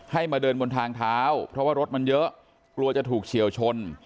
มาเดินบนทางเท้าเพราะว่ารถมันเยอะกลัวจะถูกเฉียวชน